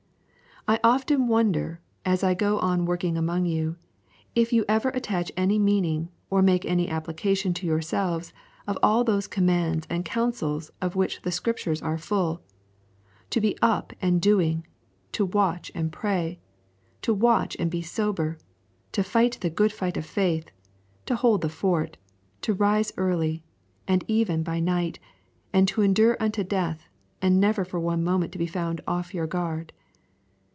I often wonder as I go on working among you, if you ever attach any meaning or make any application to yourselves of all those commands and counsels of which the Scriptures are full, to be up and doing, to watch and pray, to watch and be sober, to fight the good fight of faith, to hold the fort, to rise early, and even by night, and to endure unto death, and never for one moment to be found off your guard.